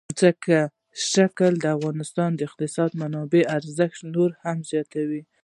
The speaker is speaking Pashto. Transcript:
ځمکنی شکل د افغانستان د اقتصادي منابعو ارزښت نور هم زیاتوي.